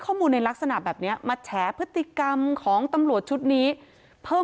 ข้อมูลในลักษณะแบบนี้มาแฉพฤติกรรมของตำรวจชุดนี้เพิ่ม